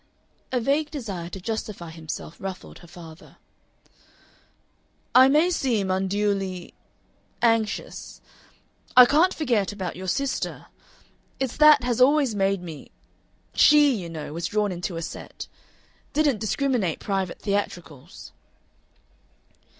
A vague desire to justify himself ruffled her father. "I may seem unduly anxious. I can't forget about your sister. It's that has always made me SHE, you know, was drawn into a set didn't discriminate Private theatricals."